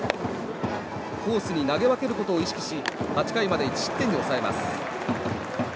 コースに投げ分けることを意識し８回まで１失点に抑えます。